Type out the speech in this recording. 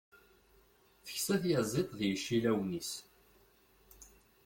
Teksa tyaziḍt d yicillawen-is.